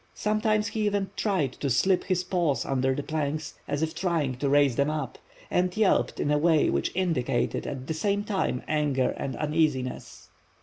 Sometimes he even tried to slip his paws under the planks, as if trying to raise them up, and yelped in a way which indicated at the same time anger and uneasiness.